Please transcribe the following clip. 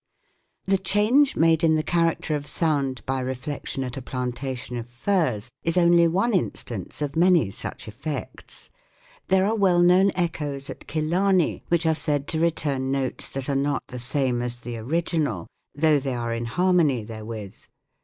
The change made in the character of sound by reflection at a plantation of firs is only one instance of many such effects. There are well known echoes at Killarney which are said to return notes that are not the same as the original, though they are in harmony therewith.